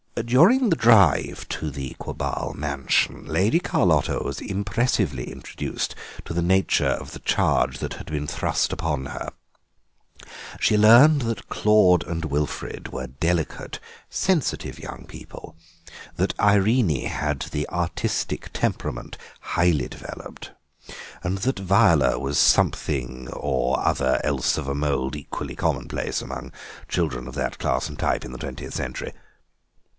During the drive to the Quabarl mansion Lady Carlotta was impressively introduced to the nature of the charge that had been thrust upon her; she learned that Claude and Wilfrid were delicate, sensitive young people, that Irene had the artistic temperament highly developed, and that Viola was something or other else of a mould equally commonplace among children of that class and type in the twentieth century.